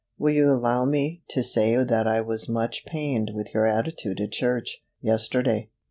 Will you allow me to say that I was much pained with your attitude at church, yesterday.